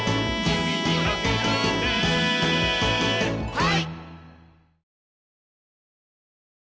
はい！